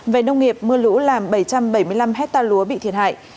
về nông nghiệp mưa lũ làm bảy trăm bảy mươi năm hectare lúa bị thiệt hại